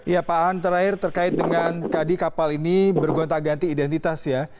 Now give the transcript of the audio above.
ya pak han terakhir terkait dengan tadi kapal ini bergonta ganti identitas ya